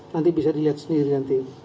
nanti bisa dilihat sendiri